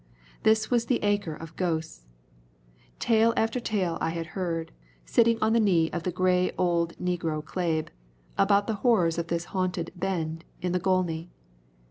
This was the acre of ghosts. Tale after tale I had heard, sitting on the knee of the old grey negro Clabe, about the horrors of this haunted "bend" in the Gauley.